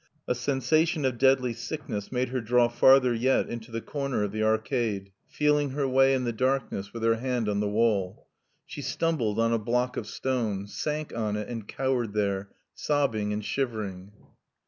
A sensation of deadly sickness made her draw farther yet into the corner of the arcade, feeling her way in the darkness with her hand on the wall. She stumbled on a block of stone, sank on it and cowered there, sobbing and shivering.